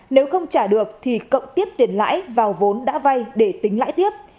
nếu không trả được thì cộng tiếp tiền lãi vào vốn đã vay để tính lãi tiếp